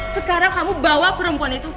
sekarang kamu bawa perempuan itu